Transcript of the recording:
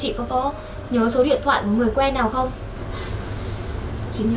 chị không có nhớ số điện thoại của người quen nào không